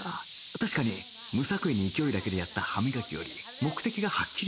確かに無作為に勢いだけでやった歯磨きより目的がはっきりする